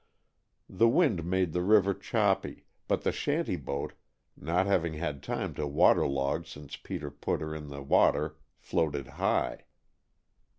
The wind made the river choppy, but the shanty boat, not having had time to water log since Peter put her in the water, floated high.